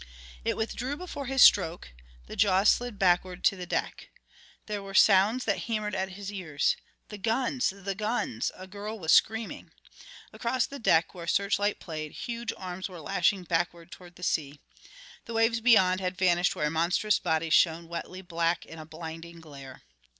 It withdrew before his stroke the jaws slid backward to the deck. There were sounds that hammered at his ears. "The guns! The guns!" a girl was screaming. Across the deck, where a search light played, huge arms were lashing backward toward the sea. The waves beyond had vanished where a monstrous body shone wetly black in a blinding glare.